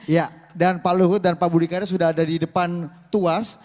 ya dan pak luhut dan pak budi karya sudah ada di depan tuas